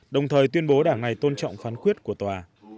đồng thời tuyên bố đảng này tôn trọng phán quyết của tòa